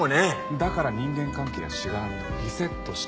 だから人間関係やしがらみをリセットして。